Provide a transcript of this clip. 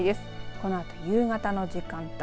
このあと夕方の時間帯